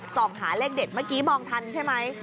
ส่องหาเลขเด็ดเมื่อกี้มองทันใช่ไหม